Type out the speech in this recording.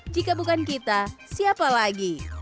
jika bukan kita siapa lagi